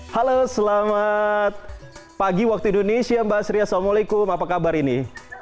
halo selamat pagi waktu indonesia mbak sri assalamualaikum apa kabar ini